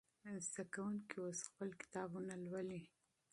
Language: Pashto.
زده کوونکي اوس خپل کتابونه لولي.